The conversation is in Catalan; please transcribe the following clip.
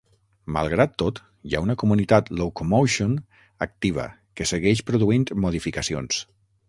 Malgrat tot, hi ha una comunitat "Locomotion" activa que segueix produint modificacions.